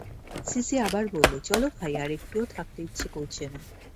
CC আবার বললে, চলো ভাই, আর একটুও থাকতে ইচ্ছে করছে না।